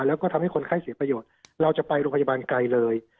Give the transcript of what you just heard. แล้วก็ทำให้คนไข้เสียประโยชน์เราจะไปโรงพยาบาลไกลเลย